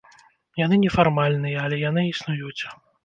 Яны нефармальныя, але яны існуюць.